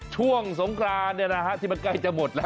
ช่วงสงกรานที่มันใกล้จะหมดแล้ว